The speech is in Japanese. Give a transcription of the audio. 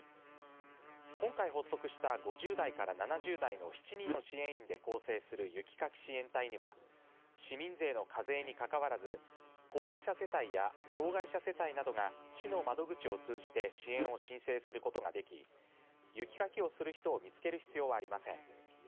今回発足した５０代から７０代の７人の支援員で構成する雪かき支援隊には市民税の課税にかかわらず高齢者世帯や障害者世帯などが市の窓口を通じて支援を申請することができ雪かきをする人を見つける必要ありません。